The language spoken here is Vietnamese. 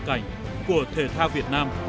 bức tranh toàn cảnh của thể thao việt nam